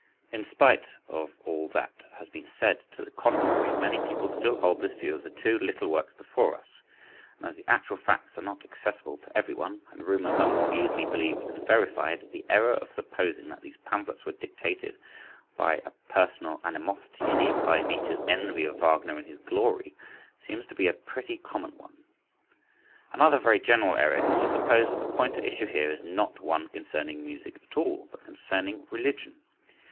In spite of all that has been said to the contrary, many people still hold this view of the two little works before us; and, as the actual facts are not accessible to every one, and rumours are more easily believed than verified, the error of supposing that these pamphlets were dictated by personal animosity, and even by Nietzsche's envy of Wagner in his glory, seems to be a pretty common one. Another very general error is to suppose that the point at issue here is not one concerning music at all, but concerning religion.